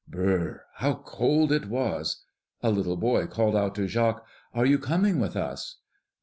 Brrr! how cold it was! A little boy called out to Jacques, "Are you coming with us?"